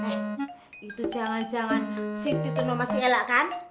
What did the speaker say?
eh itu jangan jangan siti itu masih elak kan